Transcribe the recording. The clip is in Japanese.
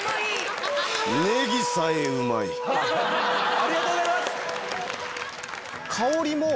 ありがとうございます！